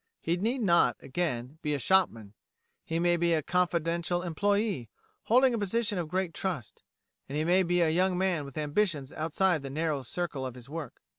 He need not, again, be a shopman; he may be a confidential employé, holding a position of great trust; and he may be a young man with ambitions outside the narrow circle of his work.